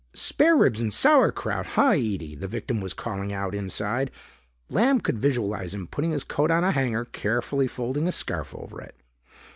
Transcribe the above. "Spare ribs and sauerkraut, huh, Ede?" the victim was calling out inside. Lamb could visualize him putting his coat on a hanger, carefully folding a scarf over it.